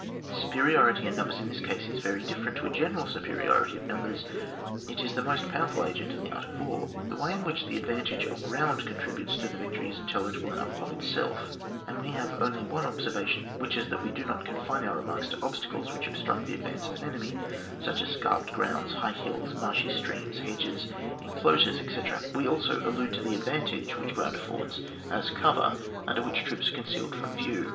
The superiority in numbers in this case is very different to a general superiority of numbers ; it is the most powerful agent in the art of war. — The way in which the advantage of ground contributes to the victory is intelligible enough of itself, and we have only one observation to make which is, that we do not confine our re marks to obstacles which obstruct the advance of an enemy, such as scarped grounds, high hills, marshy streams, hedges, inclosurcs, etc. ; we also allude to the advantage which ground affords as cover, under which troops are concealed from view.